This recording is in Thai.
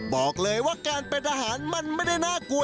บอกเลยว่าการเป็นอาหารมันไม่ได้น่ากลัว